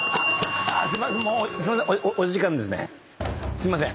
すいません。